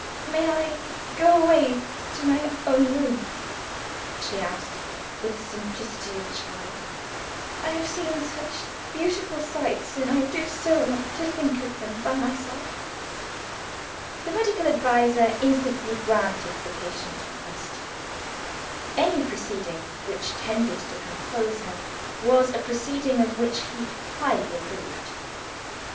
"May I go away to my own room?" she asked, with the simplicity of a child. "I have seen such beautiful sights and I do so want to think of them by myself." The medical adviser instantly granted the patient's request. Any proceeding which tended to compose her, was a proceeding of which he highly approved.